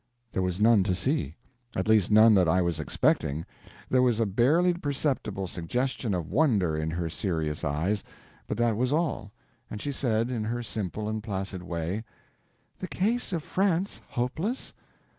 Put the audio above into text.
There was none to see. At least none that I was expecting. There was a barely perceptible suggestion of wonder in her serious eyes, but that was all; and she said, in her simple and placid way: "The case of France hopeless?